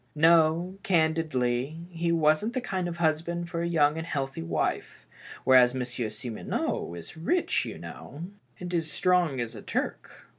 No, candidly, he wasn't the kind of husband for a young and healthy wife, whereas Monsieur Simoneau is rich, you know, and as strong as a Turk."